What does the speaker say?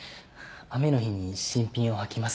雨の日に新品を履きますかね？